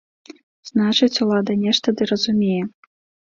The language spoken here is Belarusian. Значыць, улада нешта ды разумее.